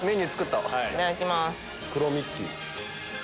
いただきます。